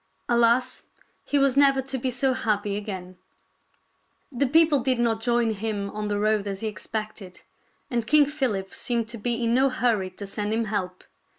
Alas, he was never to be so happy again. KING JOHN AND PRINCE ARTHUR III The people did not join him on the road as he expected, and King PhiHp seemed to be in no hurry to send him help.